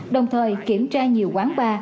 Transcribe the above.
đồng thời kiểm tra nhiều quán bar